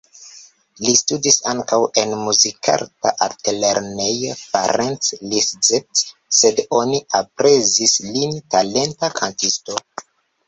Li studis ankaŭ en Muzikarta Altlernejo Ferenc Liszt, sed oni aprezis lin talenta kantisto.